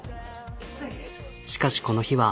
しかしこの日は。